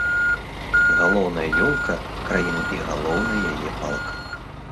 Галоўная ёлка краіны і галоўная яе палка.